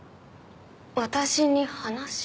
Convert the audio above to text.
私に話？